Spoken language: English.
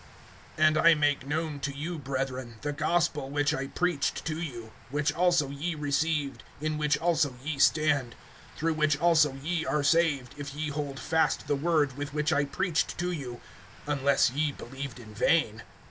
AND I make known to you, brethren, the gospel which I preached to you, which also ye received, in which also ye stand; (2)through which also ye are saved, if ye hold fast the word with which I preached to you, unless ye believed in vain.